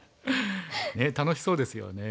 ねえ楽しそうですよね